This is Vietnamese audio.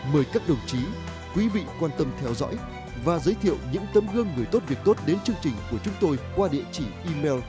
mời các đồng chí quý vị quan tâm theo dõi và giới thiệu những tấm gương người tốt việc tốt đến chương trình của chúng tôi qua địa chỉ email